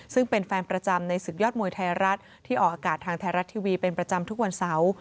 ซึ่งเป็นแฟนประจำในศึกยอดมวยไทยรัฐที่ออกอากาศทางไทยรัฐทีวีเป็นประจำทุกวันเสาร์